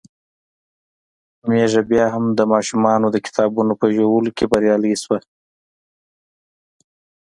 ميښه بيا هم د ماشومانو د کتابونو په ژولو کې بريالۍ شوه.